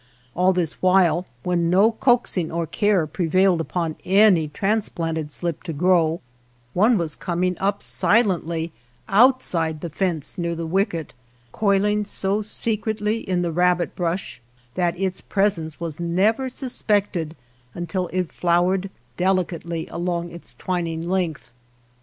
All this while, when no coaxing or care prevailed upon any transplanted slip to grow, one was coming up silently outside the fence near the wicket, coiling so secretly in the rabbit brush that its pre sence was never suspected until it flowered delicately along its twining length.